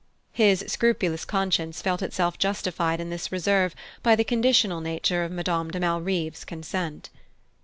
His scrupulous conscience felt itself justified in this reserve by the conditional nature of Madame de Malrive's consent.